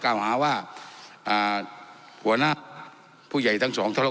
ครับไม่เป็นไรครับ